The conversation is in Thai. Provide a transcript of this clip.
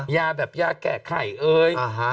ยาแบบแกะไข่เอว